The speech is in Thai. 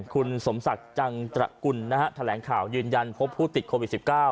คุณสมศักดิ์จังตระกุลแถลงข่าวยืนยันพบผู้ติดโควิด๑๙